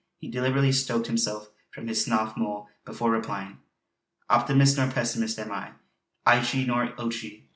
He deliberately stoked himself from his snuff mull before replying: "Optimist nor pessimist am I, eechie nor ochie.